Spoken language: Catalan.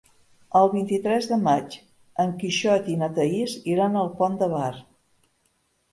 El vint-i-tres de maig en Quixot i na Thaís iran al Pont de Bar.